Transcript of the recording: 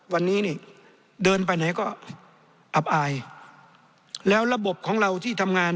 วันนี้นี่เดินไปไหนก็อับอายแล้วระบบของเราที่ทำงาน